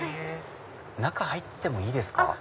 中入ってもいいですか？